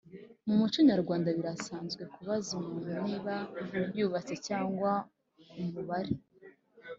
mu muco nyarwanda, birasanzwe kubaza umuntu niba yubatse cyangwa umubare